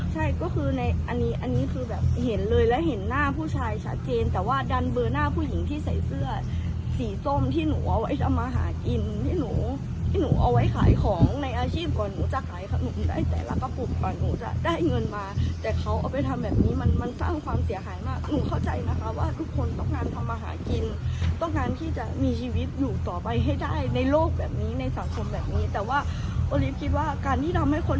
ใช่ก็คือในอันนี้อันนี้คือแบบเห็นเลยแล้วเห็นหน้าผู้ชายชัดเจนแต่ว่าดันเบอร์หน้าผู้หญิงที่ใส่เสื้อสีส้มที่หนูเอาไว้ทำมาหากินที่หนูที่หนูเอาไว้ขายของในอาชีพก่อนหนูจะขายขนมได้แต่ละกระปุกก่อนหนูจะได้เงินมาแต่เขาเอาไปทำแบบนี้มันมันสร้างความเสียหายมากหนูเข้าใจนะคะว่าทุกคนต้องการทำมาหากินต้องการที่จะ